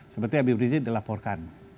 seperti abiy brizid dilaporkan